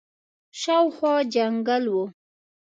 شاوخوا جنګل وو.